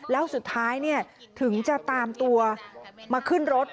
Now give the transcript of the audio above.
แล้วสุดท้ายถึงจะตามตัวมาขึ้นรถ